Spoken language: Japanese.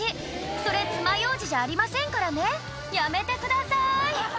それつまようじじゃありませんからねやめてください